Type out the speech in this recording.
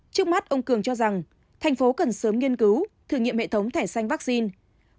trước mắt ông cường cho rằng thành phố cần sớm nghiên cứu thử nghiệm hệ thống thẻ xanh vaccine